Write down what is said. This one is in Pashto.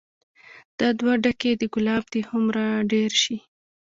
دا دوه ډکي د ګلاب دې هومره ډير شي